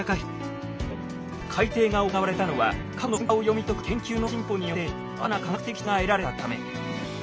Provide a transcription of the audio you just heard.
改定が行われたのは過去の噴火を読み解く研究の進歩によって新たな科学的知見が得られたため。